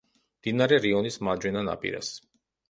მდინარე რიონის მარჯვენა ნაპირას.